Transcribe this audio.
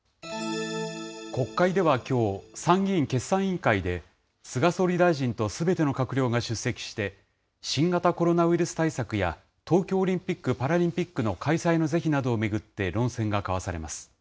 国会ではきょう、参議院決算委員会で、菅総理大臣とすべての閣僚が出席して、新型コロナウイルス対策や東京オリンピック・パラリンピックの開催の是非などを巡って、論戦が交わされます。